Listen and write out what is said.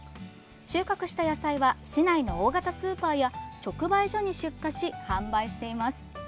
収穫した野菜は市内の大型スーパーや直売所に出荷し、販売しています。